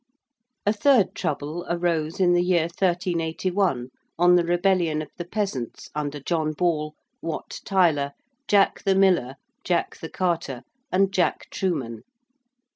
A third trouble arose in the year 1381 on the rebellion of the peasants under John Ball, Wat Tyler, Jack the Miller, Jack the Carter, and Jack Trewman.